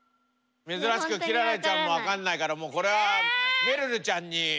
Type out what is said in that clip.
珍しく輝星ちゃんもわかんないからもうこれはめるるちゃんに。